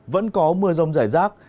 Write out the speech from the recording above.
vẫn có mưa rong rải rác